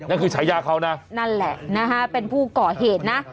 ฉายาเขานะนั่นแหละนะฮะเป็นผู้ก่อเหตุนะ